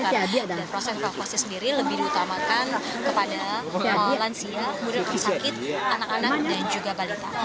dan proses evakuasi sendiri lebih diutamakan kepada lansia kemudian orang sakit anak anak dan juga balita